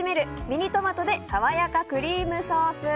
ミニトマトでさわやかクリームソース。